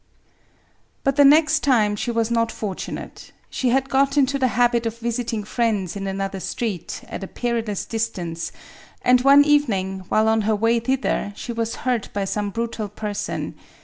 But the next time she was not fortunate. She had got into the habit of visiting friends in another street, at a perilous distance; and one evening, while on her way thither, she was hurt by some brutal person.